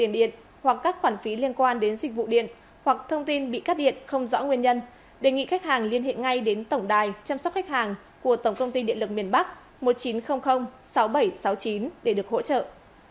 đề nghị khách hàng liên hệ ngay đến tổng đài chăm sóc khách hàng của tổng công ty điện lực miền bắc một chín không không sáu bảy sáu chín để được hỗ trợ